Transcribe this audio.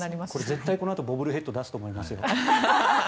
絶対、このあとボブルヘッド出すと思います。